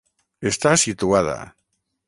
Està situada.